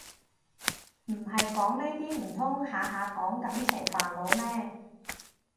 唔係講呢啲唔通下下講感情煩惱咩